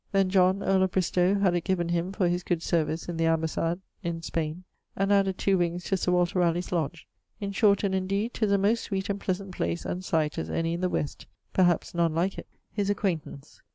Then John, earl of Bristowe, had it given him for his good service in the ambassade in Spaine, and added two wings to Sir Walter Ralegh's lodge. In short and indeed 'tis a most sweet and pleasant place and site as any in the West, perhaps none like it. <_His acquaintance.